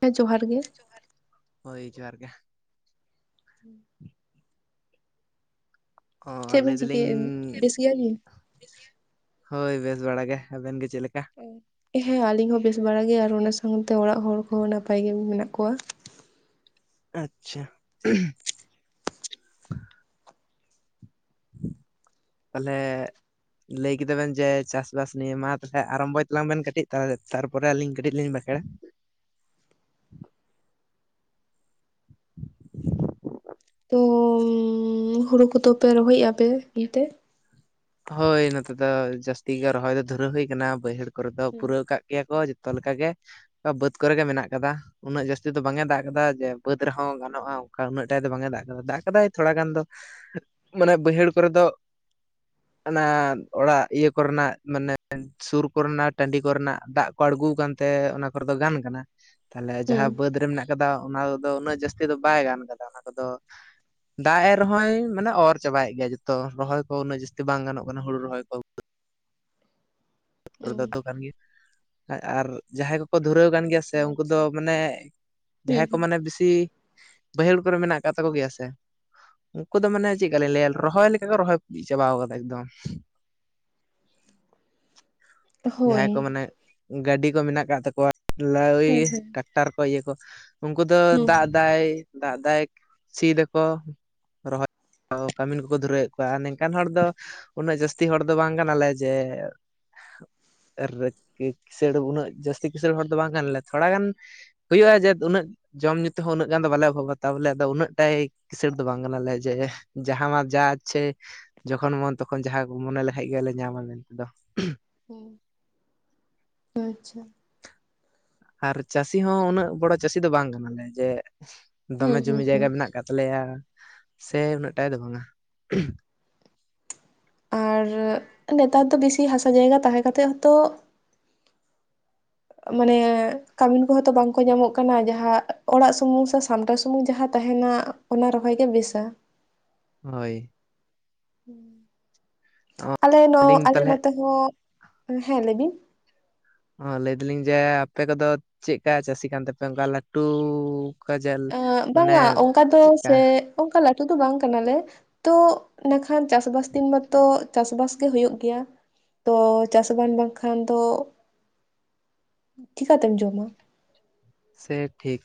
ᱦᱮᱸ, ᱡᱚᱦᱟᱨ ᱜᱮ᱾ ᱡᱚᱦᱟᱨ ᱜᱮ, ᱦᱳᱭ ᱡᱚᱦᱟᱨ ᱜᱮ᱾ ᱚ ᱪᱮᱜ ᱵᱤᱱ ᱪᱤᱠᱟᱹᱭᱮᱜ-ᱟ ᱵᱤᱱ, ᱵᱮᱥ ᱜᱮᱭᱟ ᱵᱤᱱ? ᱵᱮᱥ ᱜᱮᱭᱟ ᱵᱤᱱ, ᱦᱳᱭ ᱵᱮᱥ ᱵᱟᱲᱟ ᱜᱮ, ᱟᱵᱮᱱ ᱜᱮ ᱪᱮᱜ ᱞᱮᱠᱟ? ᱦᱮᱸ, ᱟᱞᱤᱧ ᱦᱚᱸ ᱵᱮᱥ ᱵᱟᱲᱟ ᱜᱮ, ᱟᱨ ᱚᱱᱟ ᱥᱟᱶᱛᱮ ᱚᱲᱟᱜ ᱦᱚᱲ ᱠᱚᱦᱚᱸ ᱱᱟᱯᱟᱭ ᱜᱮ ᱢᱮᱱᱟᱜ ᱠᱚᱣᱟ᱾ ᱟᱪᱪᱷᱟ᱾ ᱛᱟᱦᱚᱞᱮ ᱞᱟᱹᱭ ᱠᱮᱫᱟ ᱵᱮᱱ ᱡᱮ, ᱪᱟᱥᱵᱟᱥ ᱱᱤᱭᱮ ᱢᱟ ᱛᱟᱦᱚᱞᱮ ᱟᱨᱚᱢᱵᱚᱭ ᱛᱟᱞᱟᱝ ᱵᱮᱱ ᱠᱟᱹᱴᱤᱡ ᱛᱟᱦᱚᱞᱮ, ᱛᱟᱨᱯᱚᱨᱮ ᱟᱹᱞᱤᱧ ᱠᱟᱹᱴᱤᱡ ᱞᱤᱧ ᱵᱟᱸᱠᱷᱮᱲᱟ᱾ ᱛᱚ ᱩᱢᱻ ᱦᱩᱲᱩ ᱠᱚᱫᱚ ᱯᱮ ᱨᱚᱦᱚᱭᱮᱜ-ᱟ ᱯᱮ ᱚᱱᱛᱮ? ᱦᱳᱭ, ᱱᱚᱛᱮ ᱫᱚ ᱡᱟᱹᱥᱛᱤ ᱜᱮ ᱨᱚᱦᱚᱭ ᱫᱚ ᱫᱷᱩᱨᱟᱹᱣ ᱦᱩᱭ ᱠᱟᱱᱟ, ᱵᱟᱹᱭᱦᱟᱹᱲ ᱠᱚᱨᱮ ᱫᱚ ᱯᱩᱨᱟᱹᱣ ᱠᱟᱜ ᱜᱮᱭᱟ ᱠᱚ ᱡᱚᱛᱚ ᱞᱮᱠᱟ ᱜᱮ, ᱵᱟᱹᱫᱽ ᱠᱚᱨᱮ ᱜᱮ ᱢᱮᱱᱟᱜ ᱠᱟᱫᱟ᱾ ᱩᱱᱟᱹᱜ ᱡᱟᱹᱥᱛᱤ ᱫᱚ ᱵᱟᱝ-ᱮ ᱫᱟᱜ ᱠᱟᱫᱟ ᱡᱮ ᱵᱟᱹᱫᱽ ᱨᱮᱦᱚᱸ ᱜᱟᱱᱚᱜᱼᱟ, ᱚᱱᱠᱟ ᱩᱱᱟᱹᱜ ᱴᱟᱭ ᱫᱚ ᱵᱟᱝ ᱮ ᱫᱟᱜ ᱠᱟᱫᱟ, ᱫᱟᱜ ᱠᱟᱫᱟᱭ ᱛᱷᱚᱲᱟ ᱜᱟᱱ ᱫᱚ᱾ ᱢᱟᱱᱮ ᱵᱟᱹᱭᱦᱟᱹᱲ ᱠᱚᱨᱮ ᱫᱚ ᱚᱱᱟ ᱚᱲᱟᱜ ᱤᱭᱟᱹ ᱠᱚᱨᱮᱱᱟᱜ ᱢᱟᱱᱮ ᱥᱩᱨ ᱠᱚᱨᱮᱱᱟᱜ ᱴᱟᱺᱰᱤ ᱠᱚᱨᱮᱱᱟᱜ ᱫᱟᱜ ᱠᱚ ᱟᱲᱜᱩ ᱠᱟᱱᱛᱮ ᱚᱱᱟ ᱠᱚᱨᱮ ᱫᱚ ᱜᱟᱱ ᱠᱟᱱᱟ᱾ ᱛᱟᱦᱚᱞᱮ ᱦᱩᱸ ᱡᱟᱦᱟᱸ ᱵᱟᱹᱫᱽ ᱨᱮ ᱢᱮᱱᱟᱜ ᱠᱟᱫᱟ ᱚᱱᱟ ᱠᱚᱫᱚ ᱩᱱᱟᱹᱜ ᱡᱟᱹᱥᱛᱤ ᱫᱚ ᱵᱟᱭ ᱜᱟᱱ ᱠᱟᱫᱟ, ᱚᱱᱟ ᱠᱚᱫᱚ ᱫᱟᱜ ᱮ ᱨᱮᱦᱚᱸᱭ ᱢᱟᱱᱮ ᱚᱨ ᱪᱟᱵᱟᱭᱮᱫ ᱜᱮᱭᱟ ᱡᱚᱛᱚ ᱨᱚᱦᱚᱭ ᱠᱚ ᱩᱱᱟᱹᱜ ᱡᱟᱹᱥᱛᱤ ᱵᱟᱝ ᱜᱟᱱᱚᱜ ᱠᱟᱱᱟ, ᱦᱩᱲᱩ ᱨᱚᱦᱚᱭ ᱠᱚ᱾ ᱚ ᱨᱮᱛ ᱠᱟᱱ ᱜᱮᱭᱟ, ᱟᱨ ᱡᱟᱦᱟᱸᱭ ᱠᱚᱠᱚ ᱫᱷᱩᱨᱟᱹᱣ ᱠᱟᱱ ᱜᱮᱭᱟ ᱥᱮ ᱥᱮ ᱩᱱᱠᱩ ᱫᱚ ᱟᱪᱪᱷᱟ ᱢᱟᱱᱮ ᱦᱩᱸ ᱡᱟᱦᱟᱸᱭ ᱠᱚ ᱦᱩᱸ ᱢᱟᱱᱮ ᱵᱤᱥᱤ ᱵᱟᱹᱭᱦᱟᱹᱲ ᱠᱚᱨᱮ ᱢᱮᱱᱟᱜ ᱠᱟᱫ ᱛᱟᱠᱚ ᱜᱮᱭᱟ ᱥᱮ᱾ ᱩᱱᱠᱩ ᱫᱚ ᱢᱟᱱᱮ ᱪᱮᱫᱠᱟ ᱞᱤᱧ ᱞᱟᱹᱭᱟ ᱨᱚᱦᱚᱭ ᱞᱮᱠᱟᱜᱮ ᱨᱚᱦᱚᱭ ᱪᱟᱵᱟᱣ ᱠᱟᱫᱟ ᱮᱠᱫᱚᱢ᱾ ᱦᱳᱭ ᱡᱟᱦᱟᱸᱭ ᱠᱚ ᱢᱟᱱᱮ ᱜᱟᱹᱰᱤ ᱠᱚ ᱢᱮᱱᱟᱜ ᱠᱟᱫ ᱛᱟᱠᱚᱣᱟ ᱞᱟᱣᱭᱮ ᱦᱮᱸ ᱦᱮᱸ ᱴᱟᱠᱴᱟᱨ ᱠᱚ ᱤᱭᱟᱹ ᱠᱚ᱾ ᱩᱱᱠᱩ ᱫᱚ ᱦᱩᱸ ᱫᱟᱜ ᱫᱟᱭ ᱫᱟᱜ ᱮᱫᱟᱭ ᱥᱤᱭ ᱫᱟᱠᱚ ᱨᱚᱦᱚᱭ ᱠᱟᱹᱢᱤᱱ ᱠᱚᱠᱚ ᱫᱷᱩᱨᱟᱹᱣᱮᱫ ᱠᱚᱣᱟ, ᱟᱨ ᱱᱤᱝᱠᱟᱱ ᱦᱚᱲ ᱫᱚ ᱩᱱᱟᱹᱜ ᱡᱟᱹᱥᱛᱤ ᱦᱚᱲ ᱫᱚ ᱵᱟᱝ ᱠᱟᱱᱟᱞᱮ ᱡᱮ ᱠᱤᱥᱟᱹᱬ ᱩᱱᱟᱹᱜ ᱡᱟᱹᱥᱛᱤ ᱠᱸᱤᱥᱟᱹᱬ ᱦᱚᱲ ᱫᱚ ᱵᱟᱝ ᱠᱟᱱᱞᱮ ᱛᱷᱚᱲᱟ ᱜᱟᱱ ᱦᱩᱭᱩᱜᱼᱟ ᱡᱮ ᱩᱱᱟᱹᱜ ᱡᱚᱢ ᱧᱩ ᱛᱮᱦᱚᱸ ᱩᱱᱟᱹᱜ ᱜᱟᱱ ᱫᱚ ᱵᱟᱞᱮ ᱚᱵᱷᱟᱵᱟ, ᱛᱟᱵᱚᱞᱮ ᱟᱫᱚ ᱩᱱᱟᱹᱜ ᱴᱟᱭ ᱠᱤᱥᱟᱹᱬ ᱫᱚ ᱵᱟᱝ ᱠᱟᱱᱟᱞᱮ ᱡᱮ ᱡᱟᱦᱟᱸ ᱢᱟᱱ ᱡᱟ ᱤᱪᱪᱷᱟ. ᱡᱚᱠᱷᱚᱱ ᱢᱚᱱ ᱛᱚᱠᱷᱚᱱ ᱡᱟᱦᱟᱸ ᱠᱚ ᱢᱚᱱᱮ ᱞᱮᱠᱷᱟᱡ ᱜᱮᱞᱮ ᱧᱟᱢᱟ ᱱᱤᱛ ᱫᱚ ᱚ ᱟᱪᱪᱷᱟ᱾ ᱟᱨ ᱪᱟᱹᱥᱤ ᱦᱚᱸ ᱩᱱᱟᱹᱜ ᱵᱚᱲᱚ ᱪᱟᱹᱥᱤ ᱫᱚ ᱵᱟᱝ ᱠᱟᱱᱟᱞᱮ, ᱡᱮ ᱫᱚᱢᱮ ᱦᱩᱸ ᱡᱩᱢᱤ ᱦᱩᱸ ᱡᱟᱭᱜᱟ ᱦᱩᱸ ᱢᱮᱱᱟᱜ ᱠᱟᱜ ᱛᱟᱞᱮᱭᱟ, ᱥᱮ ᱩᱱᱟᱹᱜ ᱴᱟᱭ ᱫᱚ ᱵᱟᱝᱼᱟ᱾ ᱟᱨ ᱱᱮᱛᱟᱨ ᱫᱚ ᱵᱮᱥᱤ ᱦᱟᱥᱟ ᱡᱟᱭᱜᱟ ᱛᱟᱦᱮᱸ ᱠᱟᱛᱮ ᱦᱚᱸ ᱛᱚ ᱢᱟᱱᱮ ᱠᱟᱹᱢᱤᱱ ᱠᱚᱦᱚᱸ ᱛᱚ ᱵᱟᱝ ᱠᱚ ᱧᱟᱢᱚᱜ ᱠᱟᱱᱟ, ᱡᱟᱦᱟᱸ ᱚᱲᱟᱜ ᱥᱩᱢᱩᱝ ᱥᱮ ᱥᱟᱢᱴᱟᱣ ᱥᱩᱢᱩᱝ ᱡᱟᱦᱟᱸ ᱛᱟᱦᱮᱱᱟ᱾ ᱚᱱᱟ ᱨᱚᱠᱚᱭ ᱜᱮ ᱵᱮᱥᱟ᱾ ᱦᱳᱭ᱾ ᱟᱞᱮ ᱱᱚᱜ ᱟᱹᱞᱤᱧ ᱟᱞᱮ ᱛᱟᱦᱚᱞᱮ ᱱᱚᱛᱮ ᱦᱚᱸ ᱦᱮᱸ ᱞᱟᱹᱭᱵᱤᱱ ᱦᱚᱸ ᱞᱟᱹᱭ ᱫᱟᱞᱤᱧ ᱡᱮ ᱟᱯᱮ ᱠᱚᱫᱚ ᱪᱮᱠ ᱠᱟ ᱪᱟᱹᱥᱤ ᱠᱟᱱ ᱛᱮᱯᱮ ᱚᱱᱠᱟ ᱞᱟᱹᱴᱩ ᱠᱟᱡᱟᱞ ᱟᱸ ᱢᱟᱱᱮ ᱵᱟᱝᱟ ᱚᱱᱠᱟ ᱫᱚ ᱪᱮᱜᱠᱟ? ᱥᱮ ᱚᱱᱠᱟ ᱞᱟᱹᱴᱩ ᱫᱚ ᱵᱟᱝ ᱠᱟᱱᱟᱞᱮ᱾ ᱛᱚ ᱱᱟᱠᱷᱟᱱ ᱪᱟᱥᱵᱟᱥ ᱫᱤᱱ ᱢᱟᱛᱚ ᱪᱟᱥᱵᱟᱥ ᱜᱮ ᱦᱳᱭᱳᱜ ᱜᱮᱭᱟ᱾ ᱛᱚ ᱪᱟᱥ-ᱵᱟᱥ ᱵᱟᱝᱠᱷᱟᱱ ᱫᱚ ᱪᱮᱠᱟᱛᱮᱢ ᱡᱚᱢᱟ᱾ ᱥᱮ ᱴᱷᱤᱠ᱾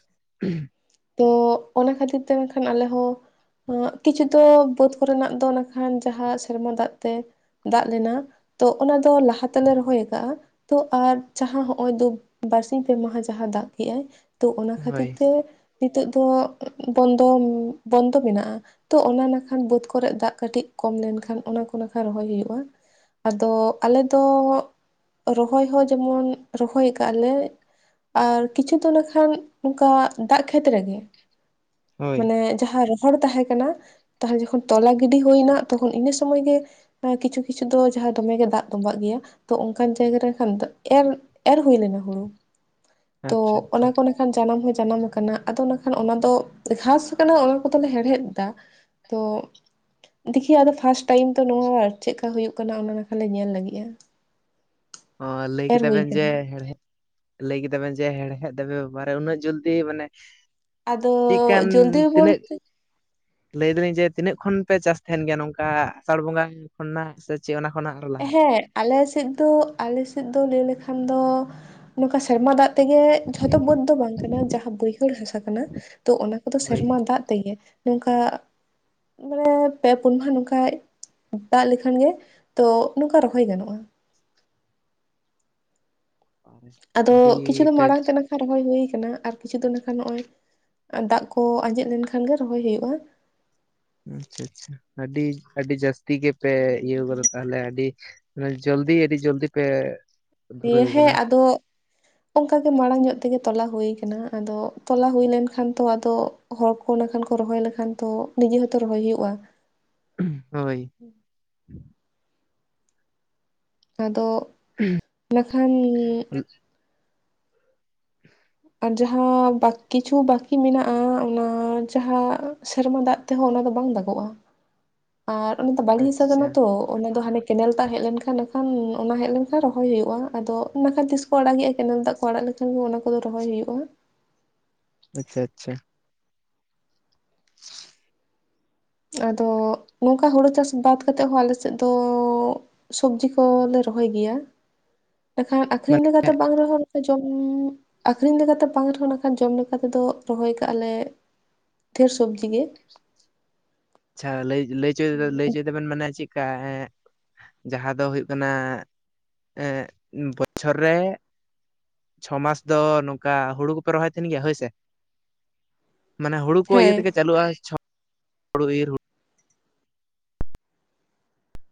ᱛᱚ ᱚᱱᱟ ᱠᱷᱟᱹᱛᱤᱨ ᱛᱮ ᱢᱮᱱᱠᱷᱟᱱ ᱟᱞᱮ ᱦᱚᱸ, ᱟᱸᱜ ᱠᱤᱪᱷᱩ ᱫᱚ ᱵᱟᱹᱫ ᱠᱚᱨᱮᱱᱟᱜ ᱫᱚ ᱱᱟᱠᱷᱟᱱ ᱡᱟᱦᱟᱸ ᱥᱮᱨᱢᱟ ᱫᱟᱜ ᱛᱮ ᱫᱟᱜ ᱞᱮᱱᱟ, ᱛᱚ ᱚᱱᱟ ᱫᱚ ᱞᱟᱦᱟ ᱛᱮᱞᱮ ᱨᱚᱦᱚᱭ ᱠᱟᱜᱼᱟ᱾ ᱛᱚ ᱟᱨ ᱡᱟᱦᱟᱸ ᱦᱚᱸᱜᱼᱚᱭ ᱫᱚ ᱵᱟᱨᱥᱤᱧ ᱯᱮ ᱢᱟᱦᱟ ᱡᱟᱦᱟᱸ ᱫᱟᱜ ᱠᱮᱜᱼᱟᱭ, ᱛᱚ ᱚᱱᱟ ᱠᱷᱟᱹᱛᱤᱨ ᱦᱳᱭ ᱛᱮ ᱱᱤᱛᱚᱜ ᱫᱚ ᱵᱚᱱᱫᱚ ᱵᱚᱱᱫᱚ ᱢᱮᱱᱟᱜᱼᱟ᱾ ᱛᱚ ᱚᱱᱟ ᱱᱟᱠᱷᱟᱱ ᱵᱟᱹᱫᱽ ᱠᱚᱨᱮᱜ ᱫᱟᱜ ᱠᱟᱹᱴᱤᱡ ᱠᱚᱢ ᱞᱮᱱᱠᱷᱟᱱ ᱚᱱᱟ ᱠᱚ ᱱᱟᱠᱷᱟᱱ ᱨᱚᱦᱚᱭ ᱦᱩᱭᱩᱜᱼᱟ᱾ ᱟᱫᱚ ᱟᱞᱮ ᱫᱚ ᱨᱚᱦᱚᱭ ᱦᱚᱸ ᱡᱮᱢᱚᱱ ᱨᱚᱦᱚᱭ ᱠᱟᱜ ᱞᱮ, ᱟᱨ ᱠᱤᱪᱷᱩ ᱫᱚ ᱱᱟᱠᱷᱟᱱ ᱱᱚᱝᱠᱟ ᱫᱟᱜ ᱠᱷᱮᱛ ᱨᱮᱜᱮ, ᱦᱳᱭ ᱢᱟᱱᱮ ᱡᱟᱦᱟᱸ ᱨᱚᱦᱚᱲ ᱛᱟᱦᱮᱸ ᱠᱟᱱᱟ ᱛᱟᱦᱚ ᱡᱚᱠᱷᱚᱱ ᱛᱚᱞᱟ ᱜᱤᱰᱤ ᱦᱩᱭᱱᱟ ᱛᱚᱠᱷᱚᱱ ᱤᱱᱟᱹ ᱥᱚᱢᱚᱭ ᱜᱮ ᱱᱚᱣᱟ ᱠᱤᱪᱷᱩ ᱠᱤᱪᱷᱩ ᱫᱚ ᱡᱟᱦᱟᱸ ᱫᱚᱢᱮᱜ ᱜᱮ ᱫᱟᱜ ᱛᱩᱵᱟᱜ ᱜᱮᱭᱟ, ᱛᱚ ᱚᱱᱠᱟᱱ ᱡᱟᱭᱜᱟ ᱨᱮᱠᱷᱟᱱ ᱫᱚ ᱮᱨ ᱮᱨ ᱦᱩᱭ ᱞᱮᱱᱟ ᱦᱩᱲᱩ᱾ ᱛᱚ ᱟᱪᱪᱷᱟ ᱟᱪᱪᱷᱟ ᱚᱱᱟ ᱠᱚ ᱱᱟᱠᱷᱟᱱ ᱡᱟᱱᱟᱢ ᱦᱚᱸ ᱡᱟᱱᱟᱢ ᱠᱟᱱᱟ, ᱟᱫᱚ ᱱᱟᱠᱷᱟᱱ ᱚᱱᱟ ᱫᱚ ᱜᱷᱟᱥ ᱠᱟᱱᱟ ᱚᱱᱟ ᱠᱚᱫᱚᱞᱮ ᱦᱮᱲᱦᱮᱫ ᱫᱟ ᱛᱚ ᱫᱮᱠᱷᱤ ᱟᱫᱚ ᱯᱷᱟᱥᱴ ᱴᱟᱭᱤᱢ ᱛᱚ ᱱᱚᱣᱟ ᱪᱮᱫᱮᱠᱟ ᱦᱩᱭᱩᱜ ᱠᱟᱱᱟ ᱚᱱᱟ ᱱᱟᱠᱷᱟ ᱞᱮ ᱧᱮᱞ ᱞᱟᱹᱜᱤᱫᱼᱟ᱾ [inaudible] ᱚ ᱞᱟᱹᱭ ᱮᱨ ᱠᱮᱫᱟ ᱦᱩᱭ ᱵᱮᱱ ᱠᱟᱱᱟ ᱡᱮ ᱦᱮᱲᱦᱮᱫ ᱞᱟᱹᱭ ᱠᱮᱫᱟ ᱵᱮᱱ ᱡᱮ ᱦᱮᱲᱦᱮᱫ ᱫᱟᱵᱮᱱ ᱵᱟᱵᱟᱨᱮ ᱩᱱᱟᱹᱜ ᱡᱚᱞᱫᱤ ᱢᱟᱱᱮ ᱟᱫᱚ ᱪᱤᱫᱠᱟᱱ ᱡᱚᱞᱫᱤ ᱛᱤᱱᱟᱹᱜ ᱵᱚᱞᱛᱮ ᱞᱟᱹᱭ ᱫᱟᱞᱤᱧ ᱡᱮ ᱛᱤᱱᱟᱹᱜ ᱠᱷᱚᱱ ᱯᱮ ᱪᱟᱥ ᱛᱟᱦᱮᱸᱱ ᱜᱮᱭᱟ ᱱᱚᱝᱠᱟ ᱟᱥᱟᱲ ᱵᱚᱸᱜᱟ ᱠᱷᱚᱱᱟᱜ ᱥᱮ ᱪᱮᱫ ᱚᱱᱟ ᱠᱷᱚᱱᱟᱜ ᱟᱨᱦᱚ ᱞᱟᱦᱟ? ᱟᱞᱮᱥᱮᱫ ᱫᱚ ᱟᱞᱮᱥᱮᱫ ᱫᱚ ᱞᱟᱹᱭ ᱞᱮᱠᱷᱟᱱ ᱫᱚ ᱱᱚᱝᱠᱟ ᱥᱮᱨᱢᱟ ᱫᱟᱜ ᱛᱮᱜᱮ ᱡᱷᱚᱛᱚ ᱵᱟ. ᱫ ᱫᱚ ᱵᱟᱝ ᱠᱟᱱᱟ ᱡᱟᱦᱟᱸ ᱵᱟᱹᱭᱦᱟᱹᱲ ᱦᱟᱥᱟ ᱠᱟᱱᱟ ᱛᱚ ᱚᱱᱟ ᱠᱚᱫᱚ ᱦᱳᱭ ᱥᱮᱨᱢᱟ ᱫᱟᱜ ᱛᱮᱜᱮ ᱱᱚᱝᱠᱟ ᱢᱟᱱᱮ ᱯᱮ ᱯᱩᱱ ᱢᱟᱦᱟ ᱱᱚᱝᱠᱟᱭ ᱫᱟᱜ ᱞᱮᱠᱷᱟᱱ ᱜᱮ ᱛᱚ ᱱᱚᱝᱠᱟ ᱨᱚᱦᱚᱭ ᱜᱟᱱᱚᱜᱼᱟ᱾ [inaudible] ᱟᱫᱚ ᱠᱤᱪᱷᱩ ᱫᱚ ᱯᱮ ᱢᱟᱲᱟᱝ ᱛᱮᱱᱟᱜ ᱨᱚᱦᱚᱭ ᱦᱩᱭ ᱠᱟᱱᱟ ᱟᱨ ᱠᱤᱪᱷᱩ ᱫᱤᱱ ᱱᱟᱠᱷᱟᱱ ᱱᱚᱜᱼᱚᱭ ᱫᱟᱜ ᱠᱚ ᱟᱸᱡᱮᱫ ᱞᱮᱱᱠᱷᱟᱱ ᱜᱮ ᱨᱚᱦᱚᱭ ᱦᱩᱭᱩᱜᱼᱟ᱾ ᱟᱪᱪᱷᱟ ᱟᱪᱪᱷᱟ ᱟᱹᱰᱤ ᱟᱹᱰᱤ ᱡᱟᱹᱥᱛᱤ ᱜᱮᱯᱮ ᱤᱭᱟᱹ ᱠᱟᱫᱟ ᱛᱟᱦᱚᱞᱮ ᱟᱹᱰᱤ ᱚᱱᱮ ᱡᱚᱞᱫᱤ ᱟᱹᱰᱤ ᱡᱚᱞᱫᱤ ᱯᱮ ᱫᱤᱭᱮ ᱫᱷᱩᱨᱟᱹᱣ ᱦᱮᱸ ᱠᱟᱱᱟ ᱟᱫᱚ ᱚᱱᱠᱟᱟᱜᱮ ᱢᱟᱲᱟᱝ ᱧᱚᱜ ᱛᱮᱜᱮ ᱛᱚᱞᱟ ᱦᱩᱭ ᱠᱟᱱᱟ, ᱟᱫᱚ ᱛᱚᱞᱟ ᱦᱩᱭ ᱞᱮᱱᱠᱷᱟᱱ ᱛᱚ ᱟᱫᱚ ᱦᱚᱲ ᱠᱚ ᱱᱟᱠᱷᱟᱱ ᱠᱚ ᱨᱚᱦᱚᱭ ᱞᱮᱠᱷᱟᱱ ᱛᱚ ᱱᱤᱡᱮ ᱦᱚᱸᱛᱚ ᱨᱚᱦᱚᱭ ᱦᱩᱭᱩᱜᱼᱟ᱾ ᱦᱳᱭ᱾ ᱟᱫᱚ ᱵᱟᱠᱷᱟᱱ ᱟᱨ ᱡᱟᱦᱟᱸ ᱵᱟ ᱠᱤᱪᱷᱩ ᱵᱟᱠᱤ ᱢᱮᱱᱟᱜᱼᱟ ᱚᱱᱟ ᱡᱟᱦᱟᱸ ᱥᱮᱨᱢᱟ ᱫᱟᱜ ᱛᱮᱦᱚᱸ ᱚᱱᱟ ᱫᱚ ᱵᱟᱝ ᱫᱟᱜᱚᱜᱼᱟ ᱟᱨ ᱚᱱᱟ ᱫᱚ ᱵᱟᱞᱤ ᱦᱤᱥᱟ ᱠᱟᱱᱟ ᱟᱪᱪᱷᱟ ᱛᱚ, ᱚᱱᱟ ᱫᱚ ᱦᱟᱸᱱᱮ ᱠᱮᱱᱮᱞ ᱫᱟᱜ ᱦᱮᱡ ᱞᱮᱱᱠᱷᱟᱱ ᱟᱠᱷᱟᱱ ᱚᱱᱟ ᱦᱮᱡ ᱞᱮᱱᱠᱷᱟᱱ ᱨᱚᱦᱚᱭ ᱦᱩᱭᱩᱜᱼᱟ ᱟᱫᱚ ᱱᱟᱠᱷᱟᱱ ᱛᱤᱥ ᱠᱚ ᱟᱲᱟᱜᱮᱜᱼᱟ ᱠᱮᱱᱮᱞ ᱫᱟᱜ ᱠᱚ ᱟᱲᱟᱜ ᱞᱮᱠᱷᱟᱱ ᱜᱮ ᱚᱱᱟ ᱠᱚᱫᱚ ᱨᱚᱦᱚᱭ ᱦᱩᱭᱩᱜᱼᱟ᱾ ᱟᱪᱪᱷᱟ ᱟᱪᱪᱷᱟ᱾ ᱟᱫᱚ ᱱᱚᱝᱠᱟ ᱦᱩᱲᱩ ᱪᱟᱥ ᱵᱟᱫ ᱠᱟᱛᱮᱦᱚ ᱦᱚᱸ ᱟᱞᱮᱥᱮᱫ ᱫᱚ ᱥᱚᱵᱡᱤ ᱠᱚᱞᱮ ᱨᱚᱦᱚᱭ ᱜᱮᱭᱟ, ᱮᱠᱷᱟᱱ ᱟᱠᱷᱨᱤᱧ ᱢᱟᱱᱮ ᱞᱮᱠᱟᱛᱮ ᱵᱟᱝ ᱨᱚᱦᱚ [inaudible] ᱡᱚᱢ ᱟᱹᱠᱷᱨᱤᱧ ᱞᱮᱠᱟᱛᱮ ᱵᱟᱝ ᱨᱮᱦᱚᱸ ᱱᱟᱠᱷᱟᱱ ᱡᱚᱢ ᱞᱮᱠᱟ ᱛᱮᱫᱚ ᱨᱚᱦᱚᱭ ᱠᱟᱜᱼᱟ ᱞᱮ ᱛᱷᱮᱨ ᱥᱚᱵᱽᱡᱤ ᱜᱮ ᱟᱪᱷᱟ ᱞᱟᱹᱭ-ᱞᱟᱹᱭ ᱦᱚᱪᱚᱭ ᱫᱟᱵᱮᱱ ᱢᱟᱱᱮ ᱪᱮᱫᱠᱟ ᱦᱮᱸ ᱡᱟᱦᱟᱸ ᱫᱚ ᱦᱩᱭᱩᱜ ᱠᱟᱱᱟ ᱮ ᱵᱚᱪᱷᱚᱨ ᱨᱮ ᱪᱷᱚ ᱢᱟᱥ ᱫᱚ ᱱᱚᱝᱠᱟ ᱦᱳᱲᱳ ᱠᱚᱯᱮ ᱨᱚᱦᱚᱭ ᱛᱟᱦᱮᱱ ᱜᱮᱭᱟ ᱦᱳᱭ ᱥᱮᱮ ᱢᱟᱱᱮ ᱦᱳᱲᱳ ᱠᱚ ᱤᱭᱟᱹ ᱦᱮᱸ ᱛᱮᱜᱮ ᱪᱟᱹᱞᱩᱜᱼᱟ ᱪᱷ ᱦᱳᱲᱳ ᱤᱨ ᱦᱳ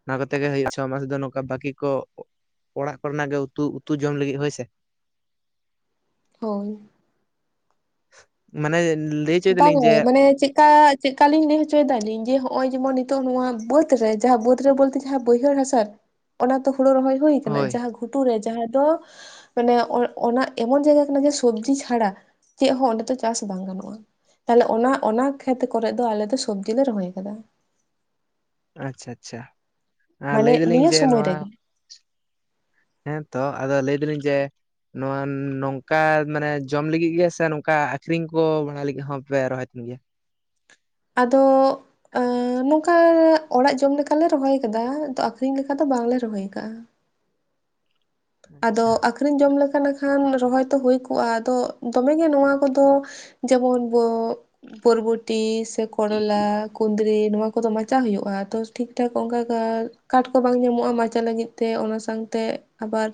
ᱚᱱᱟ ᱠᱟᱛᱮ ᱜᱮ ᱦᱩᱭᱩᱜᱼᱟ ᱪᱷᱚ ᱢᱟᱥ ᱫᱚ ᱱᱚᱝᱠᱟ ᱵᱟᱠᱤ ᱠᱚ ᱚᱲᱟᱜ ᱠᱚᱨᱮᱱᱟᱜ ᱜᱮ ᱩᱛᱩ-ᱩᱛᱩ ᱡᱚᱢ ᱞᱟᱹᱜᱤᱫ ᱦᱳᱭ ᱥᱮ ᱦᱚᱭ ᱢᱟᱱᱮ ᱞᱟᱹᱭ ᱦᱚᱪᱚᱭ ᱫᱟᱞᱤᱧ ᱵᱟᱝᱜᱮ ᱡᱮ ᱢᱟᱱᱮ ᱪᱮᱫᱠᱟ ᱪᱮᱫᱠᱟᱞᱤᱧ ᱞᱟᱹᱭ ᱦᱚᱪᱚᱭᱮᱫᱟᱞᱤᱧ ᱡᱮ ᱦᱚᱜᱼᱚᱭ ᱡᱮᱢᱚᱱ ᱱᱤᱛᱚᱜ ᱱᱚᱣᱟ ᱵᱟᱹᱫᱽ ᱨᱮ ᱡᱟᱦᱟᱸ ᱵᱟᱹᱫᱽ ᱨᱮ ᱵᱳᱞᱛᱮ ᱡᱟᱦᱟᱸ ᱵᱟᱹᱭᱦᱟᱹᱲ ᱦᱟᱥᱟᱨᱮ ᱚᱱᱟ ᱛᱚ ᱦᱳᱲᱳ ᱨᱚᱦᱚᱭ ᱦᱩᱭ ᱠᱟᱱᱟ ᱦᱳᱭ ᱡᱟᱦᱟ ᱜᱷᱩᱴᱩᱨᱮ ᱡᱟᱦᱟᱸ ᱫᱚ ᱢᱟᱱᱮ ᱚᱱᱟ ᱮᱢᱚᱱ ᱡᱟᱭᱜᱟ ᱠᱟᱱᱟ ᱡᱮ ᱥᱚᱵᱡᱤ ᱪᱷᱟᱲᱟ ᱪᱮᱫ ᱦᱚᱸ ᱚᱸᱰᱮ ᱫᱚ ᱪᱟᱥ ᱵᱟᱝ ᱜᱟᱱᱚᱜᱼᱟ᱾ ᱛᱟᱦᱚᱞᱮ ᱚᱱᱟ-ᱚᱱᱟ ᱠᱷᱮᱛ ᱠᱚᱨᱮᱫ ᱫᱚ ᱟᱞᱮ ᱫᱚ ᱥᱚᱵᱡᱤ ᱞᱮ ᱨᱚᱦᱚᱭ ᱠᱟᱫᱟ ᱟᱪᱷᱟ- ᱟᱪᱷᱟ ᱟᱨ ᱢᱟᱱᱮ ᱞᱟᱹᱭ ᱫᱟᱹᱞᱤᱧ ᱱᱤᱭᱟᱹ ᱡᱮ ᱥᱚᱢᱚᱭ ᱱᱚᱣᱟ ᱨᱮᱜᱮ ᱦᱮᱸᱛᱚ ᱟᱫᱚ ᱞᱟᱹᱭ ᱫᱟᱹᱞᱤᱧ ᱡᱮ ᱱᱚᱣᱟ ᱱᱚᱝᱠᱟ ᱢᱟᱱᱮ ᱡᱚᱢ ᱞᱟᱹᱜᱤᱫ ᱜᱮ ᱥᱮ ᱱᱚᱝᱠᱟ ᱟᱹᱠᱷᱨᱤᱧ ᱠᱚ ᱵᱟᱲᱟᱭ ᱞᱟᱹᱜᱤᱫ ᱦᱚᱸᱯᱮ ᱨᱚᱦᱚᱭ ᱛᱟᱦᱮᱱ ᱜᱮᱭᱟ ᱟᱫᱚ ᱟ. ᱱᱚᱝᱠᱟ ᱚᱲᱟᱜ ᱡᱚᱢ ᱞᱮᱠᱟᱞᱮ ᱨᱚᱦᱚᱭ ᱟᱠᱟᱫᱟ ᱟ. ᱠᱷᱨᱤᱧ ᱞᱮᱠᱟ ᱫᱚ ᱵᱟᱝᱞᱮ ᱨᱚᱦᱚᱭ ᱠᱟᱜ-ᱟ᱾ ᱟᱫᱚ ᱟᱪᱪᱷᱟ ᱟ. ᱠᱷᱨᱤᱧ ᱡᱚᱢ ᱞᱮᱠᱟ ᱱᱟᱠᱷᱟᱱ ᱨᱚᱦᱚᱭ ᱛᱚ ᱦᱩᱭ ᱠᱚᱜᱼᱟ ᱟᱫᱚ ᱫᱚᱢᱮᱜᱮ ᱱᱚᱣᱟ ᱠᱚᱫᱚ ᱡᱮᱢᱚᱱ ᱵᱚ ᱯᱚᱨᱵᱚᱴᱤ ᱥᱮ ᱠᱚᱨᱚᱞᱟ, ᱠᱩᱸᱫᱽᱨᱤ ᱱᱚᱣᱟ ᱠᱚᱫᱚ ᱢᱟᱪᱟᱜ ᱦᱩᱭᱩᱜᱼᱟ ᱛᱚ ᱴᱷᱤᱠ -ᱴᱷᱟᱠ ᱚᱱᱠᱟ ᱠᱟᱴ ᱠᱚ ᱵᱟᱝ ᱧᱟᱢᱚᱜᱼᱟ ᱢᱟᱪᱟᱜ ᱞᱟᱹᱜᱤᱫ ᱛᱮ ᱚᱱᱟ ᱥᱟᱶᱛᱮ ᱟᱵᱟᱨ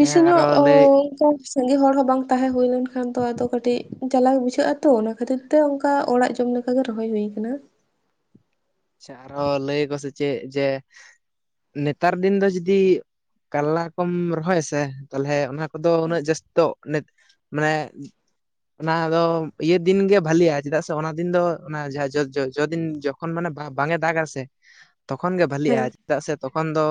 ᱦᱮᱸ ᱧᱚᱜ ᱟᱨᱚ ᱞᱟᱹᱭ ᱚᱱᱠᱟ ᱥᱟᱸᱜᱮ ᱦᱚᱲ ᱦᱚᱸ ᱵᱟᱝ ᱛᱟᱦᱮᱸ ᱦᱩᱭ ᱞᱮᱱ ᱠᱷᱟᱱᱛ ᱟᱫᱚ ᱠᱟᱹᱴᱤᱡ ᱡᱟᱞᱟᱜᱮ ᱵᱩᱡᱷᱟᱹᱜ ᱟᱛᱚ ᱚᱱᱟ ᱠᱷᱟᱹᱛᱤᱨ ᱛᱮ ᱚᱱᱠᱟ ᱚᱲᱟᱜ ᱡᱚᱢ ᱞᱮᱠᱟᱜ ᱜᱮ ᱨᱚᱦᱚᱭ ᱦᱩᱭ ᱟᱠᱟᱱᱟ ᱟᱪᱷᱟ ᱟᱨᱚ ᱞᱟᱹᱭ ᱟᱠᱚᱥᱮ ᱪᱮᱫ ᱡᱮ ᱱᱮᱛᱟᱨ ᱫᱤᱱ ᱫᱚ ᱡᱩᱫᱤ ᱠᱟᱞᱞᱟ ᱠᱚᱢ ᱨᱚᱦᱚᱭᱟ ᱥᱮᱮ ᱛᱟᱦᱚᱞᱮ ᱚᱱᱟ ᱫᱚ ᱦᱮᱸ ᱩᱱᱟᱹᱜ ᱡᱟᱹᱥᱛᱤᱚ ᱢᱟᱱᱮ ᱚᱱᱟ ᱫᱚ ᱤᱭᱟᱹ ᱫᱤᱱᱜᱮ ᱵᱷᱟᱞᱜᱼᱟ ᱪᱮᱫᱟᱜ ᱥᱮ ᱚᱱᱟ ᱫᱤᱱ ᱫᱚ ᱚᱱᱟ ᱡᱟᱦᱟᱸ ᱡᱚᱦ ᱡᱚᱫᱤᱱ ᱡᱚᱠᱷᱚᱱ ᱢᱟᱱᱮ ᱵᱷᱟ ᱵᱟᱝ ᱮ ᱫᱟᱜ ᱥᱮ ᱛᱚᱠᱷᱚᱱ ᱜᱮ ᱵᱟᱹᱞᱤᱜᱼᱟ ᱦᱮᱸ ᱪᱮᱫᱟᱜ ᱥᱮ ᱛᱚᱠᱷᱚᱱ ᱫᱚ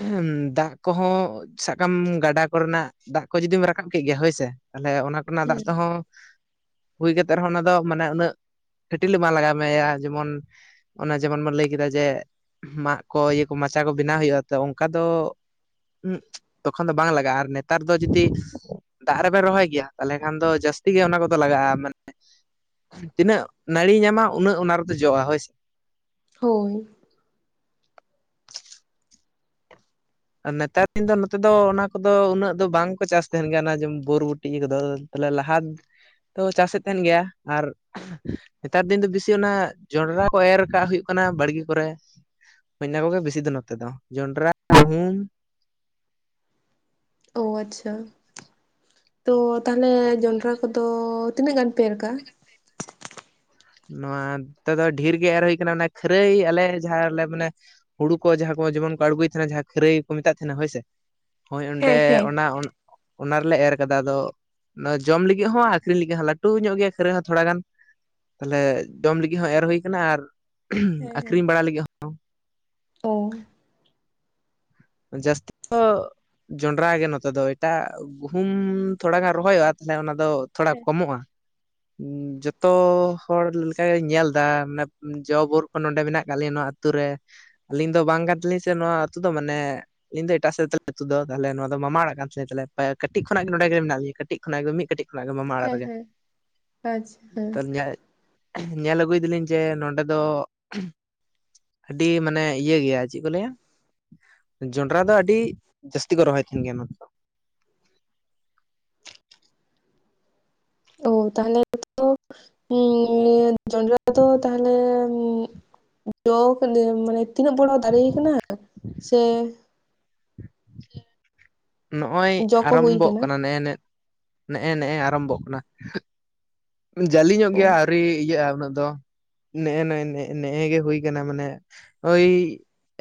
ᱦᱮᱸ ᱫᱟᱜ ᱠᱚᱦᱚᱸ ᱥᱟᱠᱟᱢ ᱜᱟᱰᱟ ᱠᱚᱨᱮᱱᱟᱜ ᱫᱟᱜ ᱠᱚ ᱡᱩᱫᱤᱢ ᱨᱟᱠᱟᱵ ᱠᱮᱫ ᱜᱮᱭᱟ ᱦᱳᱭᱥᱮ ᱛᱟᱦᱚᱞᱮ ᱚᱱᱟ ᱚᱱᱟ ᱫᱟᱜ ᱦᱩᱸ ᱛᱮᱦᱚᱸ ᱦᱩᱭ ᱠᱟᱛᱮ ᱨᱮᱦᱚᱸ ᱚᱱᱟ ᱫᱚ ᱩᱱᱟᱹᱜ ᱠᱟᱹᱴᱤᱞᱮ ᱵᱟᱝ ᱞᱟᱜᱟᱣ ᱢᱮᱭᱟ ᱡᱮᱢᱚᱱ ᱚᱱᱮ ᱡᱮᱢᱚᱱ ᱵᱚᱱ ᱞᱟᱹᱭ ᱠᱮᱫᱟ ᱡᱮ ᱢᱟᱜ ᱠᱚ ᱤᱭᱟᱹ ᱠᱚ ᱢᱟᱪᱟ ᱠᱚ ᱵᱮᱱᱟᱣ ᱦᱩᱭᱩᱜᱼᱟ ᱛᱚ ᱚᱱᱠᱟ ᱫᱚ ᱛᱚᱠᱷᱚᱱ ᱫᱚ ᱵᱟᱝ ᱞᱟᱜᱟᱜᱼᱟ ᱟᱨ ᱱᱮᱛᱟᱨ ᱫᱚ ᱡᱩᱫᱤ ᱫᱟᱜ ᱨᱮᱵᱮᱱ ᱨᱚᱦᱚᱭ ᱜᱮᱭᱟ ᱛᱟᱦᱚᱞᱮ ᱠᱷᱟᱱ ᱫᱚ ᱡᱟᱹᱥᱛᱤ ᱜᱮ ᱚᱱᱟ ᱠᱚᱫᱚ ᱞᱟᱜᱟᱜᱼᱟ᱾ ᱢᱟᱱᱮ ᱛᱤᱱᱟᱹᱜ ᱱᱟᱹᱲᱤ ᱧᱟᱢᱟ ᱩᱱᱟᱹᱜ ᱚᱱᱟ ᱨᱮᱫᱚ ᱡᱚᱜᱼᱟ ᱦᱳᱭ ᱥᱮ ᱦᱳᱭ ᱟᱨ ᱱᱮᱛᱟᱨ ᱫᱤᱱ ᱫᱚ ᱱᱚᱛᱮ ᱫᱚ ᱚᱱᱟ ᱠᱚᱫᱚ ᱩᱱᱟᱹᱜ ᱫᱚ ᱵᱟᱝᱠᱚ ᱪᱟᱥ ᱛᱟᱦᱮᱱ ᱜᱮᱭᱟ ᱚᱱᱟ ᱡᱮᱢ ᱵᱩᱨ -ᱵᱟ. ᱴᱤ ᱤᱭᱟᱹ ᱠᱚᱫᱚ ᱛᱟᱦᱞᱮ ᱞᱟᱦᱟ ᱛᱚ ᱪᱟᱥ ᱮᱫ ᱛᱟᱦᱮᱱ ᱜᱮᱭᱟ ᱟᱨ ᱱᱮᱛᱟᱨ ᱫᱤᱱ ᱫᱚ ᱵᱮᱥᱤ ᱚᱱᱟ ᱡᱚᱱᱰᱨᱟ ᱠᱚ ᱮᱨ ᱠᱟᱜ ᱦᱩᱭᱩᱜ ᱠᱟᱱᱟ ᱵᱟᱲᱜᱮ ᱠᱚᱨᱮ ᱤᱱᱟᱹ ᱠᱚᱜᱮ ᱵᱮᱥᱤ ᱫᱚ ᱱᱚᱛᱮ ᱫᱚ ᱡᱚᱸᱰᱨᱟ, ᱜᱩᱦᱩᱢ ᱚ ᱟᱪᱷᱟ ᱛᱚ ᱛᱟᱦᱚᱞᱮ ᱡᱚᱸᱰᱨᱟ ᱠᱚ ᱛᱚ ᱛᱤᱱᱟᱹᱜ ᱜᱟᱱ ᱯᱮ ᱮᱨ ᱠᱟᱜᱼᱟ? ᱱᱚᱣᱟ ᱛᱮᱫᱚ ᱰᱷᱮᱨ ᱜᱮ ᱮᱨ ᱦᱩᱭ ᱠᱟᱱᱟ ᱚᱱᱟ ᱠᱷᱟᱹᱨᱟᱹᱭ ᱟᱞᱮ ᱡᱟᱦᱟᱸᱞᱮ ᱢᱟᱱᱮ ᱦᱳᱲᱩ ᱠᱚ ᱡᱟᱦᱟᱸ ᱠᱚ ᱡᱮᱢᱚᱱ ᱠᱚ ᱟᱬᱜᱩᱭ ᱛᱟᱦᱮᱱᱟ ᱡᱟᱦᱟᱸ ᱠᱷᱟᱹᱨᱟᱹᱭ ᱠᱚ ᱢᱮᱛᱟᱜ ᱛᱟᱦᱮᱱᱟ ᱦᱳᱭ ᱥᱮ ᱦᱳᱭ ᱚᱸᱰᱮ ᱦᱮᱸ ᱦᱮᱸ ᱚᱱᱟ ᱚᱱᱟ ᱨᱮᱞᱮ ᱮᱨ ᱠᱟᱫᱟ ᱟᱫᱚ ᱚᱱᱟ ᱡᱚᱢ ᱞᱟᱹᱜᱤᱫ ᱦᱚᱸ ᱟᱹᱠᱷᱨᱤᱧ ᱞᱟᱹᱜᱤᱫ ᱦᱚᱸ ᱞᱟᱹᱴᱩ ᱧᱚᱜ ᱜᱮᱭᱟ ᱠᱷᱟᱹᱨᱟᱹᱭ ᱦᱚᱸ ᱛᱷᱚᱲᱟ ᱜᱟᱱ᱾ ᱛᱟᱦᱞᱮ ᱡᱚᱢ ᱞᱟᱹᱜᱤᱫ ᱦᱚᱸ ᱮᱨ ᱦᱩᱭᱠᱟᱱᱟ ᱟᱨ ᱦᱮᱸ ᱦᱮᱸ ᱟᱠᱷᱨᱤᱧ ᱵᱟᱲᱟ ᱞᱟᱹᱜᱤᱫ ᱚ ᱡᱟᱹᱥᱛᱤ [unintelligible] ᱫᱚ ᱡᱚᱱᱰᱨᱟ ᱜᱮ ᱱᱚᱛᱮ ᱫᱚ ᱮᱴᱟᱜ ᱜᱩᱦᱩᱢ ᱛᱷᱚᱲᱟ ᱜᱟᱱ ᱨᱚᱦᱚᱭᱚᱜᱼᱟ ᱛᱟᱦᱚᱞᱮ ᱚᱱᱟ ᱫᱚ ᱛᱷᱚᱲᱟ ᱦᱮᱸ ᱠᱚᱢᱚᱜᱼᱟ᱾ ᱡᱚᱛᱚ ᱦᱚᱲ ᱞᱮᱠᱟ ᱜᱮᱧ ᱧᱮᱞ ᱮᱫᱟ ᱢᱟᱱᱮ ᱡᱚ ᱵᱳᱨ ᱠᱚ ᱱᱚᱰᱮ ᱢᱮᱱᱟᱜ ᱟᱠᱟᱫ ᱞᱮᱭᱟ ᱱᱚᱣᱟ ᱟᱹᱛ ᱟᱹᱛᱩ ᱨᱮ ᱟᱹᱞᱤᱧ ᱫᱚ ᱵᱟᱝ ᱠᱟᱱ ᱛᱟᱹᱞᱤᱧ ᱥᱮ ᱱᱚᱣᱟ ᱟᱹᱛᱩ ᱫᱚ ᱢᱟᱱᱮ ᱤᱧ ᱫᱚ ᱮᱴᱟᱜ ᱥᱮᱫ ᱟᱹᱛᱩ ᱫᱚ ᱛᱟᱦᱚᱞᱮ ᱱᱚᱣᱟ ᱫᱚ ᱢᱟᱢᱟ ᱚᱲᱟᱜ ᱠᱟᱱ ᱛᱤᱧ ᱛᱟᱦᱞᱮ ᱠᱟᱹᱴᱤᱡ ᱠᱷᱚᱱᱟᱜ ᱜᱮ ᱱᱚᱰᱮ ᱜᱮ ᱢᱮᱱᱟᱜ ᱞᱤᱧ ᱠᱟᱹᱴᱤᱡ ᱠᱷᱚᱱᱟᱜ ᱜᱮ ᱢᱤᱫ ᱠᱟᱹᱴᱤᱡ ᱚᱱᱟ ᱜᱮ ᱢᱟᱢᱟ ᱚᱲᱟᱜ ᱦᱮᱸ ᱛᱟᱞᱮ [unintelligible] ᱦᱮᱸ ᱟᱪᱪᱷᱟ ᱦᱮᱸ ᱛᱚ ᱧᱮᱞ ᱧᱮᱞ ᱟᱹᱜᱩᱭ ᱫᱟᱞᱤᱧ ᱡᱮ ᱱᱚᱸᱰᱮ ᱫᱚ ᱟᱹᱰᱤ ᱢᱟᱱᱮ ᱤᱭᱟᱹ ᱜᱮᱭᱟ ᱪᱮᱫ ᱠᱚ ᱞᱟᱹᱭᱟ? ᱡᱚᱱᱰᱨᱟ ᱫᱚ ᱟᱹᱰᱤ ᱡᱟᱹᱥᱛᱤ ᱠᱚ ᱨᱚᱦᱚᱭ ᱛᱟᱦᱮᱱ ᱜᱮᱭᱟ ᱱᱚᱛᱮ ᱫᱚ᱾ ᱚ ᱛᱟᱦᱞᱮ ᱛᱚ ᱱᱤᱭᱟᱹ ᱡᱚᱱᱰᱨᱟ ᱫᱚᱭ ᱛᱟᱦᱞᱮ ᱡᱚ ᱫᱚ ᱢᱟᱱᱮ ᱛᱤᱱᱟᱹᱜ ᱵᱚᱲᱚ ᱫᱟᱨᱮ ᱠᱟᱱᱟ ᱥᱮ ᱱᱚᱜᱼᱚᱭ ᱡᱚ ᱠᱚ ᱦᱩᱭ ᱟᱨᱟᱢᱵᱷᱚᱜ ᱠᱟᱱᱟ ᱱᱮᱜᱼᱮ ᱱᱮ ᱱᱮᱜᱼᱮ ᱱᱮᱜᱼᱮ ᱟᱨᱚᱢᱵᱷᱚᱜ ᱠᱟᱱᱟ᱾ ᱡᱟᱹᱞᱤ ᱧᱚᱜ ᱚ ᱜᱮᱭᱟ ᱟᱹᱣᱨᱤ ᱤᱭᱟᱹᱜᱼᱟ ᱩᱱᱟᱹᱜ ᱫᱚ᱾ ᱱᱮᱜᱼᱱ ᱱᱮᱜᱼᱮ ᱱᱮᱜᱼᱮ ᱜᱮ ᱦᱩᱭ ᱠᱟᱱᱟ ᱢᱟᱱᱮ ᱳᱭ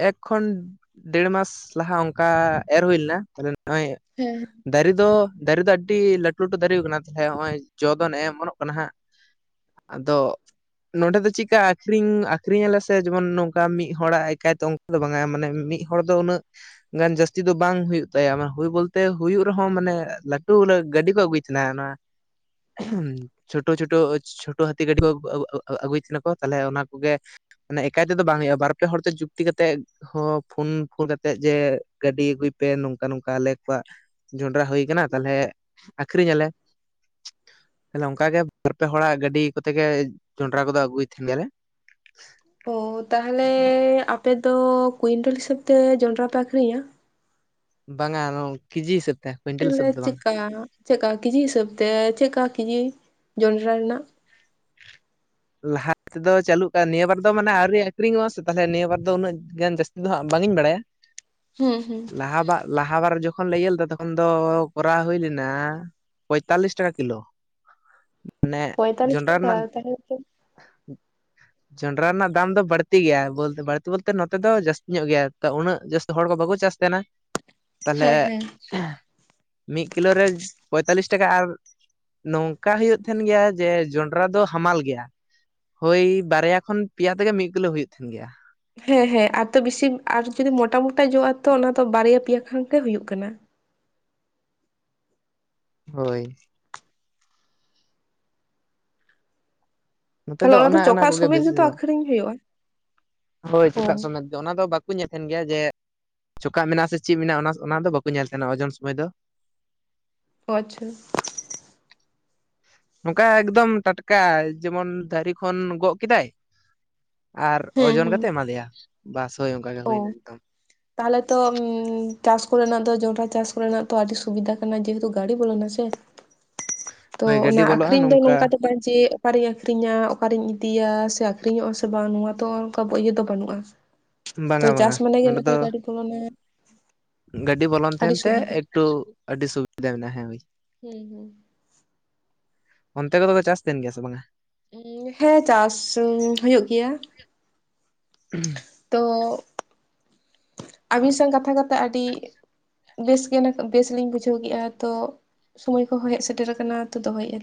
ᱮᱠ ᱠᱷᱚᱱ ᱰᱮᱲ ᱢᱟᱥ ᱞᱟᱦᱟ ᱚᱱᱠᱟ ᱮᱨ ᱦᱩᱭ ᱞᱮᱱᱟ ᱛᱟᱦᱞᱮ ᱱᱚᱜᱼᱚᱭ ᱦᱮᱸ ᱫᱟᱨᱮ ᱫᱚ ᱫᱟᱨᱮ ᱫᱚ ᱟᱹᱰᱤ ᱞᱟᱹᱴᱩ ᱞᱟᱹᱴᱩ ᱫᱟᱨᱮ ᱠᱟᱱᱟ ᱛᱟᱦᱞᱮ ᱱᱚᱜᱼᱚᱭ ᱡᱚ ᱫᱚ ᱱᱮᱜᱼᱮ ᱚᱢᱚᱱᱚᱜ ᱠᱟᱱᱟ ᱦᱟᱸᱜ᱾ ᱟᱫᱚ ᱱᱚᱰᱮ ᱫᱚ ᱪᱮᱫ ᱞᱮᱠᱟ ᱟᱹᱠᱷᱨᱤᱧ ᱟᱹᱠᱷᱨᱤᱧ ᱟᱞᱮ ᱥᱮ ᱡᱮᱢᱚᱱ ᱱᱚᱝᱠᱟ ᱢᱤᱫ ᱦᱚᱲᱟᱜ ᱮᱠᱟᱭ ᱛᱮ ᱫᱚ ᱵᱟᱝᱟᱭᱟ ᱢᱟᱱᱮ ᱢᱤᱫ ᱦᱚᱲ ᱫᱚ ᱩᱱᱟᱹᱜ ᱜᱟᱱ ᱡᱟᱹᱥᱛᱤ ᱫᱚ ᱵᱟᱝ ᱦᱩᱭᱩᱜ ᱛᱟᱭᱟ ᱦᱩᱭᱩᱜ ᱵᱚᱞᱛᱮ ᱦᱩᱭᱩᱜ ᱨᱮᱦᱚᱸ ᱢᱟᱱᱮ ᱞᱟᱹᱴᱩ ᱜᱟᱹᱰᱤ ᱠᱚ ᱟᱹᱜᱩᱭ ᱛᱟᱦᱮᱱ ᱚᱱᱟ [unintelligible] ᱪᱷᱳᱴᱳ ᱪᱷᱳᱴᱳ ᱪᱷᱳᱴᱳ ᱦᱟᱹᱛᱤ ᱜᱟᱹᱰᱤ ᱠᱚ ᱟᱹᱜᱩᱭᱮᱫ ᱛᱟᱦᱮᱸ ᱱᱟᱠᱚ ᱛᱟᱦᱚᱞᱮ ᱚᱱᱟ ᱠᱚᱜᱮ ᱢᱟᱱ ᱮᱠᱟᱭ ᱛᱮᱫᱚ ᱵᱟᱝ ᱦᱩᱭᱩᱜᱼᱟ ᱵᱟᱨ ᱯᱮ ᱦᱚᱲᱛᱮ ᱡᱩᱠᱛᱤ ᱠᱟᱛᱮᱫ ᱦᱚᱸ ᱯᱷᱳᱱ ᱯᱷᱳᱱ ᱠᱟᱛᱮᱫ ᱡᱮ ᱜᱟᱹᱰᱤ ᱟᱹᱜᱩᱭ ᱯᱮ ᱱᱚᱝᱠᱟ ᱱᱚᱝᱠᱟ ᱟᱞᱮ ᱠᱚᱣᱟᱜ ᱡᱚᱱᱰᱨᱟ ᱦᱩᱭ ᱟᱠᱟᱱᱟ ᱛᱟᱦᱚᱞᱮ ᱟᱹᱠᱷᱨᱤᱧ ᱟᱞᱮ᱾ ᱛᱟᱦᱞᱮ ᱚᱱᱠᱟ ᱜᱮ ᱵᱟᱨ ᱯᱮ ᱦᱚᱲᱟᱜ ᱜᱟᱹᱰᱤ ᱠᱚᱛᱮ ᱜᱮ ᱡᱚᱱᱰᱨᱟ ᱠᱚᱫᱚ ᱟᱹᱜᱩᱭᱮᱫ ᱛᱟᱦᱮᱱ ᱜᱮᱭᱟᱞᱮ᱾ ᱚ ᱛᱟᱦᱚᱞᱮ ᱟᱯᱮ ᱫᱚ ᱠᱩᱭᱤᱱᱴᱟᱞ ᱦᱤᱥᱟᱹᱵᱽ ᱛᱮ ᱡᱚᱱᱰᱨᱟ ᱯᱮ ᱟᱹᱠᱷᱨᱤᱧᱟ? ᱵᱟᱝᱟ ᱚᱱᱟ ᱠᱮ ᱡᱤ ᱦᱤᱥᱟᱹᱵᱽ ᱛᱮ᱾ ᱠᱩᱭᱤᱱᱴᱮᱞ ᱛᱟᱦᱞᱮ ᱦᱤᱥᱟᱹᱵ ᱫᱚ ᱵᱟᱝ ᱪᱮᱠᱟ ᱪᱮᱫ ᱞᱮᱠᱟ ᱠᱮ ᱡᱤ ᱦᱤᱥᱟᱹᱵᱽ ᱛᱮ ᱪᱮᱫᱠᱟ ᱠᱮ ᱡᱤ ᱡᱚᱱᱰᱨᱟ ᱨᱮᱱᱟᱜ? ᱞᱟᱦᱟ ᱛᱮᱫᱚ ᱪᱟᱹᱞᱩᱜ ᱠᱟᱱ ᱱᱤᱭᱟᱹ ᱵᱟᱨ ᱫᱚ ᱢᱟᱱᱮ ᱟᱹᱣᱨᱤ ᱟᱹᱠᱷᱨᱤᱧᱚᱜᱼᱟ ᱥᱮ ᱛᱟᱦᱚᱞᱮ ᱱᱤᱭᱟᱹ ᱵᱟᱨ ᱫᱚ ᱩᱱᱟᱹᱜ ᱜᱟᱱ ᱡᱟᱹᱥ ᱤᱧ ᱫᱚ ᱦᱟᱸᱜ ᱵᱟᱝ ᱤᱧ ᱵᱟᱲᱟᱭᱟ, ᱦᱩᱸ ᱦᱩᱸ ᱞᱟᱦᱟᱣᱟᱜ ᱞᱟᱦᱟ ᱵᱟᱨ ᱡᱚᱠᱷᱚᱱ ᱞᱮ ᱤᱭᱟᱹ ᱞᱮᱫᱟ ᱛᱚᱠᱷᱚᱱ ᱫᱚ ᱠᱚᱨᱟᱣ ᱦᱩᱭ ᱞᱮᱱᱟ ᱯᱚᱸᱭᱛᱟᱞᱞᱤᱥ ᱴᱟᱠᱟ ᱠᱤ ᱞᱳ᱾ ᱯᱚᱸᱭᱛᱟᱞᱤᱥ ᱴᱟᱠᱟ ᱛᱟᱦᱚᱞᱮ [unintelligible] ᱡᱚᱱᱰᱨᱟ ᱨᱮᱱᱟᱜ ᱫᱟᱢ ᱫᱚ ᱵᱟᱹᱲᱛᱤ ᱜᱮᱭᱟ ᱵᱟᱹᱲᱛᱤ ᱵᱚᱞᱛᱮ ᱱᱚᱛᱮ ᱫᱚ ᱡᱟᱹᱥᱛᱤ ᱧᱚᱜ ᱜᱮᱭᱟ᱾ ᱩᱱᱟᱜ ᱡᱟᱹᱥᱛᱤ ᱦᱚᱲ ᱠᱚ ᱵᱟᱠᱚ ᱪᱟᱥ ᱛᱟᱦᱮᱱᱟ᱾ [inaudible] ᱛᱟᱦᱚᱞᱮ ᱦᱮᱸ ᱢᱤᱫ ᱠᱤᱞᱳ ᱨᱮ ᱯᱚᱸᱭᱛᱟᱞᱞᱤᱥ ᱴᱟᱠᱟ ᱟᱨ ᱱᱚᱝᱠᱟ ᱦᱩᱭᱩᱜ ᱛᱟᱦᱮᱱ ᱜᱮᱭᱟ ᱡᱮ ᱡᱚᱱᱰᱨᱟ ᱫᱚ ᱦᱟᱢᱟᱞ ᱜᱮᱭᱟ ᱦᱳᱭ ᱵᱟᱨᱭᱟ ᱠᱷᱚᱱ ᱯᱮᱭᱟ ᱛᱮᱜᱮ ᱢᱤᱫ ᱠᱤᱞᱳ ᱦᱩᱭᱩᱜ ᱛᱟᱦᱮᱱ ᱜᱮᱭᱟ ᱦᱮᱸ ᱦᱮᱸ ᱟᱨ ᱛᱚ ᱵᱤᱥᱤ ᱟᱨ ᱡᱩᱫᱤ ᱢᱚᱴᱟ ᱢᱚᱴᱟ ᱡᱚᱜ-ᱟ ᱛᱚ ᱚᱱᱟ ᱫᱚ ᱵᱟᱨᱭᱟ ᱯᱮᱭᱟ ᱠᱷᱟᱱ ᱜᱮ ᱦᱩᱭᱩᱜ ᱠᱟᱱᱟ ᱦᱳᱭ ᱱᱚᱛᱮ ᱛᱟᱦᱚᱞᱮ ᱫᱚ ᱚᱱᱮ ᱚᱱᱟ ᱪᱚᱠᱟᱜ ᱠᱚᱜᱮ ᱥᱚᱢᱮᱛ ᱵᱮᱥᱤ ᱜᱮᱛᱚ ᱫᱚ ᱟᱠᱷᱨᱤᱧ ᱦᱩᱭᱩᱜᱼᱟ ᱦᱳᱭ ᱚ ᱪᱮᱫᱟᱜ ᱥᱚᱢ [unintelligible] ᱚᱱᱟ ᱫᱚ ᱵᱟᱠᱚ ᱧᱮᱞ ᱛᱟᱦᱮᱱ ᱜᱮᱭᱟ ᱡᱮ ᱪᱷᱚᱠᱟᱜ ᱢᱮᱱᱟᱜ-ᱟ ᱥᱮ ᱪᱮᱫ ᱢᱮᱱᱟᱜ-ᱟ ᱚᱱᱟ ᱫᱚ ᱵᱟᱠᱚ ᱧᱮᱞ ᱛᱟᱦᱮᱱᱟ ᱳᱡᱚᱱ ᱥᱚᱢᱚᱭ ᱫᱚ ᱚ ᱟᱪᱪᱷᱟ ᱱᱚᱝᱠᱟ ᱮᱠᱫᱚᱢ ᱴᱟᱴᱠᱟ ᱡᱮᱢᱚᱱ ᱫᱟᱨᱮ ᱠᱷᱚᱱ ᱜᱚᱜ ᱠᱮᱫᱟᱭ ᱟᱨ ᱦᱮᱸ ᱳᱡᱚᱱ ᱦᱮᱸ ᱠᱟᱛᱮ ᱮᱢᱟ ᱫᱮᱭᱟ ᱵᱟᱥ ᱦᱳᱭ ᱚᱱᱠᱟ ᱜᱮ ᱚ ᱦᱩᱭᱱᱟ ᱮᱠᱫᱚᱢ ᱛᱟᱦᱚᱞᱮ ᱛᱚ ᱪᱟᱥ ᱠᱚ ᱨᱮᱱᱟᱜ ᱫᱚ ᱡᱚᱱᱰᱨᱟ ᱪᱟᱥ ᱠᱚ ᱨᱮᱱᱟᱜ ᱛᱚ ᱟᱹᱰᱤ ᱥᱩᱵᱤᱫᱟ ᱠᱟᱱᱟ ᱡᱮᱦᱮᱛᱩ ᱜᱟᱹᱰᱤ ᱵᱚᱞᱚᱱᱟ ᱥᱮ ᱛᱚ ᱦᱳᱭ ᱜᱟᱹᱰᱤ ᱚᱱᱟ ᱵᱚᱞᱚᱜᱼᱟ ᱟᱠᱷᱨᱤᱧ ᱫᱚ ᱱᱚᱝᱠᱟ ᱵᱟᱝ ᱡᱮ ᱚᱠᱟᱨᱤᱧ ᱟᱠᱷᱨᱤᱧᱟ ᱚᱠᱟᱨᱤᱧ ᱤᱫᱤᱭᱟ ᱥᱮ ᱟᱠᱷᱨᱤᱧᱚᱜ-ᱟ ᱥᱮ ᱵᱟᱝ ᱱᱚᱣᱟ ᱫᱚ ᱚᱱᱠᱟ ᱤᱭᱟᱹ ᱫᱚ ᱵᱟᱹᱱᱩᱜ-ᱟ ᱛᱳ ᱵᱟᱝᱟ ᱵᱟᱝᱟ ᱪᱟᱥ ᱢᱟᱱᱮ ᱜᱮ ᱱᱚᱸᱰᱮ ᱱᱩᱠᱩ ᱫᱚ ᱜᱟᱹᱰᱤ ᱠᱚ ᱵᱚᱞᱚᱱᱟ ᱜᱟᱹᱰᱤ ᱵᱚᱞᱚᱱ ᱟᱹᱰᱤ ᱛᱟᱦᱮᱱ ᱛᱮ ᱥᱩᱵᱤᱫᱷᱟ ᱮᱠᱴᱩ ᱟᱹᱰᱤ ᱥᱩᱵᱤᱫᱷᱟ ᱢᱮᱱᱟᱜ-ᱟ ᱦᱮᱸ ᱦᱳᱭ ᱦᱩᱸ ᱦᱩᱸ ᱚᱱᱛᱮ ᱠᱚᱫᱚ ᱠᱚ ᱪᱟᱥ ᱛᱟᱦᱮᱱ ᱜᱮᱭᱟ ᱥᱮ ᱵᱟᱝᱟ ᱦᱮᱸ ᱪᱟᱥ ᱦᱩᱭᱩᱜ ᱜᱮᱭᱟ [unintelligible] ᱛᱚ ᱟᱹᱵᱤᱱ ᱥᱟᱶ ᱠᱟᱛᱷᱟ ᱠᱟᱛᱮᱜ ᱟᱹᱰᱤ ᱵᱮᱥ ᱜᱮ ᱱᱤᱛᱚᱜ ᱵᱮᱥᱞᱤᱧ ᱵᱩᱡᱷᱟᱹᱣ ᱠᱮᱫ-ᱟ ᱛᱚ ᱥᱩᱢᱚᱭ ᱠᱚᱦᱚᱸ ᱦᱮᱡ ᱥᱮᱴᱮᱨ ᱟᱠᱟᱱᱟ ᱛᱚ ᱫᱚᱦᱚᱭᱮᱫ-ᱟ ᱞᱤᱧ